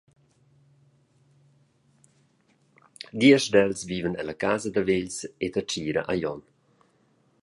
Diesch d’els vivan ella Casa da vegls e da tgira a Glion.